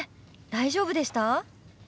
大丈夫でした？